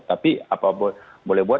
tapi apa boleh buat